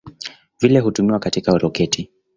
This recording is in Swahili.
Vile hutumiwa katika roketi.